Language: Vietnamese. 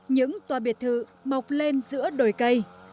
những tòa biệt thự bọc lên giữa đồi cây